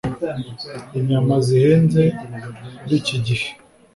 Inyama zihenze muri iki gihe